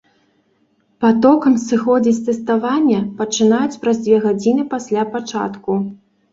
Патокам сыходзіць з тэставання пачынаюць праз дзве гадзіны пасля пачатку.